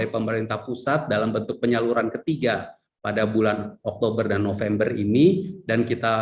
pemerintah pusat dalam bentuk penyaluran ketiga pada bulan oktober dan november ini dan kita